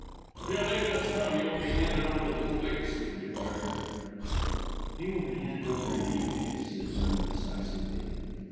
"If you leave this room you will be handed over to the police," he declared. "He will be handed over in any case," said Vernon decisively.